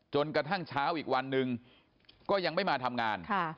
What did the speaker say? จนกระทั่งเช้าอีกวันหนึ่งก็ยังไม่มาทำงาน